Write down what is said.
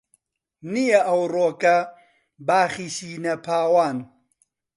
نییە ئەوڕۆکە باخی سینە پاوان